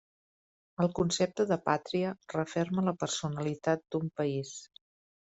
El concepte de pàtria referma la personalitat d'un país.